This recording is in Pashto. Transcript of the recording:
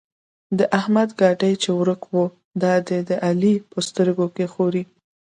د احمد ګاډی چې ورک وو؛ دا دی د علي په سترګو کې ښوري.